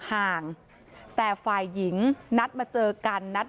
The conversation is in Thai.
ไม่ตั้งใจครับ